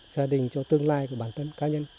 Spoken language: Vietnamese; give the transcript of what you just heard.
gia đình cho tương lai của bản thân cá nhân